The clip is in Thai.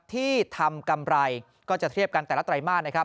ที่ทำกำไรก็จะเทียบกันแต่ละไตรมาสนะครับ